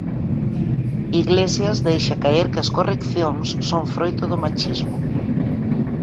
Iglesias deixa caer que as correccións son froito do machismo.